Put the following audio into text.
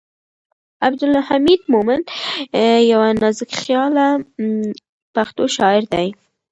عبدالحمید مومند یو نازکخیاله پښتو شاعر دی.